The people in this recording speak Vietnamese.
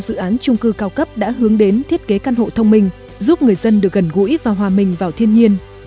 các dự án trung cư cao cấp đã hướng đến thiết kế căn hộ thông minh giúp người dân được gần gũi và hòa mình vào thiên nhiên